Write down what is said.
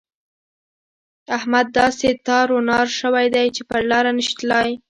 احمد داسې تار و نار شوی دی چې پر لاره نه شي تلای.